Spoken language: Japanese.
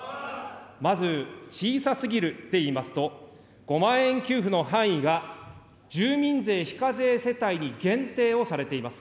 まず、小さすぎるといいますと、５万円給付の範囲が、住民税非課税世帯に限定をされています。